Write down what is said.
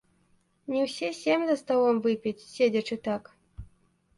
Не ўсе сем за сталом выпіць, седзячы так.